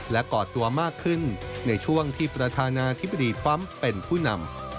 และก่อตัวมากขึ้นในช่วงที่ประธานาธิบดีทรัมป์เป็นผู้นำ